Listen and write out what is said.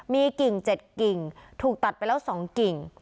มีกิ่งเจ็ดกิ่งถูกตัดไปแล้วสองกิ่ง